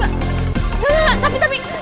nggak tapi tapi